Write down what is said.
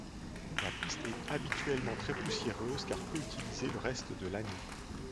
La piste est habituellement très poussiéreuse car peu utilisée le reste de l'année.